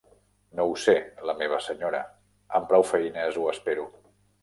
No ho sé, la meva senyora; amb prou feines ho espero.